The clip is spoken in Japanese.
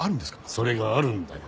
それがあるんだよ。